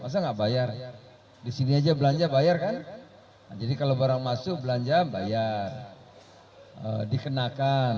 masa nggak bayar disini aja belanja bayar kan jadi kalau barang masuk belanja bayar dikenakan